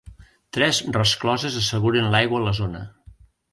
Tres rescloses asseguren l'aigua a la zona.